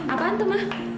apaan tuh ma